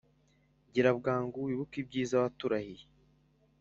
Gira bwangu, wibuke ibyiza waturahiriye,